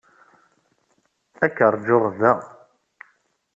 Ad k-ṛjuɣ da.